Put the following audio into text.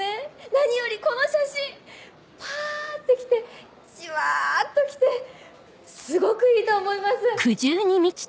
何よりこの写真パアアッてきてじわっときてすごくいいと思います。